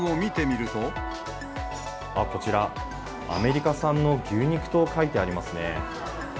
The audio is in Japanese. あっ、こちら、アメリカ産の牛肉と書いてありますね。